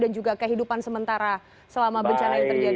dan juga kehidupan sementara selama bencana ini terjadi